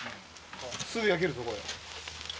すぐ焼けるぞこれ。